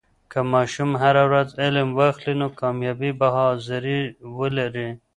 که ماشوم هر ورځ علم واخلي، نو کامیابي به حاضري ولري.